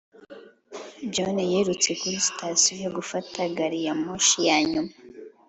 john yirutse kuri sitasiyo gufata gari ya moshi ya nyuma.